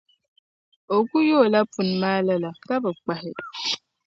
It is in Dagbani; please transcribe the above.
O kuli yoola puni maa lala, ka bi kpahi.